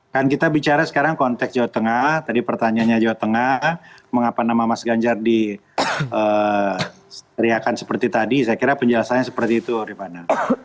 kan kita bicara sekarang konteks jawa tengah tadi pertanyaannya jawa tengah mengapa nama mas ganjar diseriakan seperti tadi saya kira penjelasannya seperti itu ribana